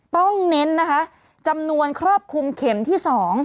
เน้นนะคะจำนวนครอบคลุมเข็มที่๒